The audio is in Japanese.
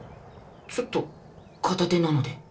ちょっと片手なので。